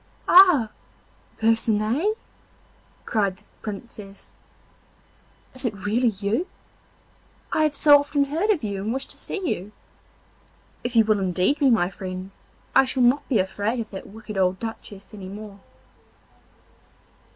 'Ah, Percinet!' cried the Princess, 'is it really you? I have so often heard of you and wished to see you. If you will indeed be my friend, I shall not be afraid of that wicked old Duchess any more.